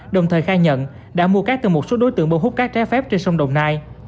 đồng thời khai nhận đã mua cát từ một số đối tượng bô hút các trái phép trên sông đồng nai